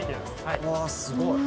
うわすごい。